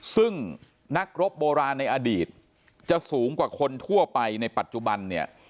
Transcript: ซึ่งนักรบโบราณในอดีตจะสูงกว่าคนทั่วไปในปัจจุบันเนี่ย